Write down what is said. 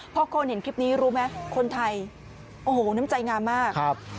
พอคนเห็นคลิปนี้รู้ไหมคนไทยโอ้โหน้ำใจงามมาก